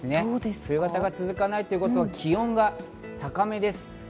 冬型が続かないということは、気温が高めです。